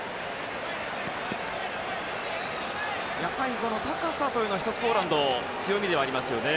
やはり高さは１つ、ポーランド強みではありますね。